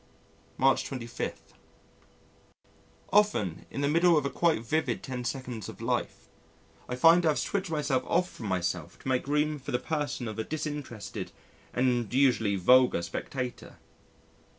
March 25. Often in the middle of a quite vivid ten seconds of life, I find I have switched myself off from myself to make room for the person of a disinterested and usually vulgar spectator.